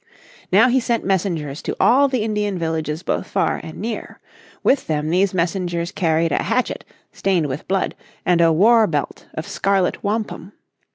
Now he sent messengers to all the Indian villages both far and near. With them these messengers carried a hatchet, stained with blood, and a war belt of scarlet wampum.